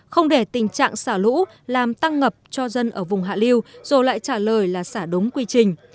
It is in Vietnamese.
không để tình trạng xả lũ làm tăng ngập cho dân ở vùng hạ liêu rồi lại trả lời là xả đúng quy trình